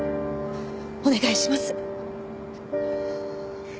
お願いします。